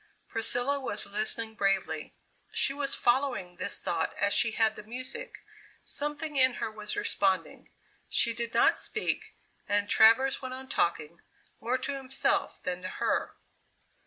Priscilla was listening bravely. She was following this thought as she had the music; something in her was responding. She did not speak, and Travers went on talking, more to himself than to her.